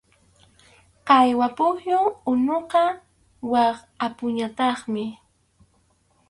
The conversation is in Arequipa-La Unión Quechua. Qhaywaq pukyu unuqa wak apupñataqmi.